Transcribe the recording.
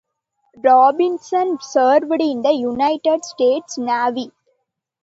Robinson served in the United States Navy.